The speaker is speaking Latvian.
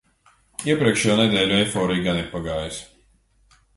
Iepriekšējo nedēļu eiforija gan ir pagājusi.